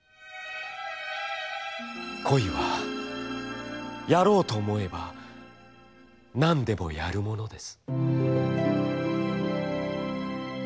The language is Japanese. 「恋はやろうと思えばなんでもやるものです」。